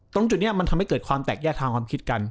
ตรงจุดนี้มันทำให้เกิดความแตกแยกทางความคิดกัน